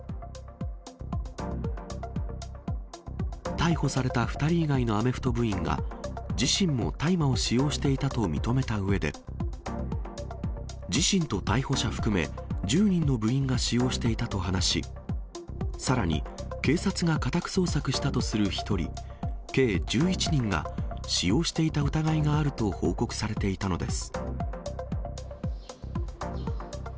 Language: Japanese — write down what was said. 逮捕された２人以外のアメフト部員が、自身も大麻を使用していたと認めたうえで、自身と逮捕者含め、１０人の部員が使用していたと話し、さらに警察が家宅捜索したとする１人、計１１人が、使用していた疑いがあると報告されていたのです。